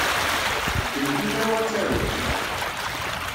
Ddmet imru ad tarum!